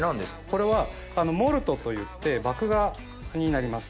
これはモルトといって麦芽になります。